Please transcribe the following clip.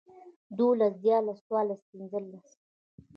دولس ديارلس څوارلس پنځلس